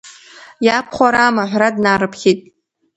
Иабхәараа маҳәра днарыԥхьеит.